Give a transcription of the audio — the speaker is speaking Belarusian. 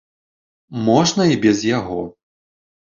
Можна і без яго.